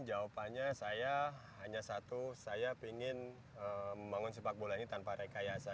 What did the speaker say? jawabannya saya hanya satu saya ingin membangun sepak bola ini tanpa rekayasa